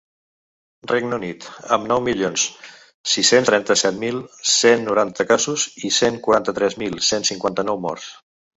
Regne Unit, amb nou milions sis-cents trenta-set mil cent noranta casos i cent quaranta-tres mil cent cinquanta-nou morts.